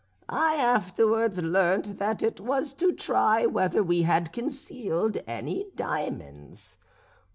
I afterwards learnt that it was to try whether we had concealed any diamonds.